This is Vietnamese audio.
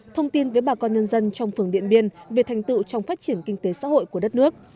thông tin với bà con nhân dân trong phường điện biên về thành tựu trong phát triển kinh tế xã hội của đất nước